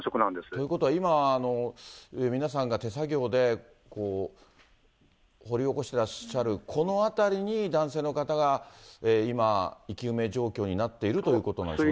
ということは今、皆さんが手作業で、掘り起こしてらっしゃる、この辺りに男性の方が今、生き埋め状況になっているということなんでしょうね。